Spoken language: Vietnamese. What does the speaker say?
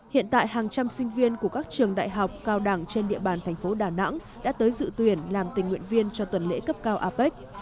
hiện tại hàng trăm sinh viên của các trường đại học cao đẳng trên địa bàn thành phố đà nẵng đã tới dự tuyển làm tình nguyện viên cho tuần lễ cấp cao apec